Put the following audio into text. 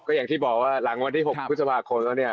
อย่างที่บอกว่าหลังวันที่๖พฤษภาคมแล้วเนี่ย